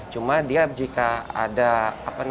cuma dia jika ada